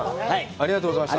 ありがとうございます。